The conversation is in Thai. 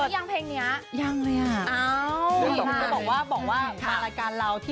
กับเพลงที่มีชื่อว่ากี่รอบก็ได้